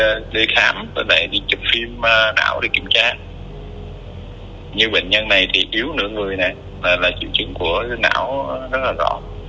như bệnh nhân này thì yếu nửa người nè là triệu chứng của não rất là rõ